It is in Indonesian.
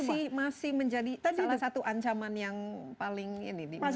ini masih menjadi salah satu ancaman yang paling ini